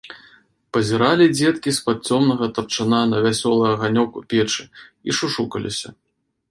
Пазіралі дзеткі з-пад цёмнага тапчана на вясёлы аганёк у печы і шушукаліся.